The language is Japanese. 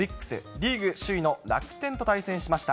リーグ首位の楽天と対戦しました。